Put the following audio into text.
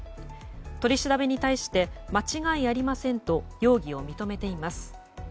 取り調べに対して間違いありませんと容疑を認めています。